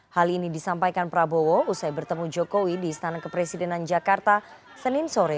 hal ini disampaikan prabowo usai bertemu jokowi di istana kepresidenan jakarta senin sore